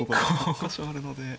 １か所あるので。